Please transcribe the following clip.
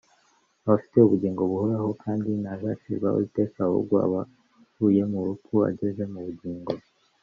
aba afite ubugingo buhoraho, kandi ntazacirwaho iteka, ahubwo aba avuye mu rupfu ageze mu bugingo.